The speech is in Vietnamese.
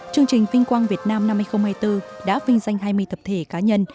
chương trình vinh quang việt nam năm hai nghìn hai mươi bốn đã vinh danh hai mươi thập thể cá nhân